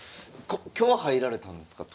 今日入られたんですか？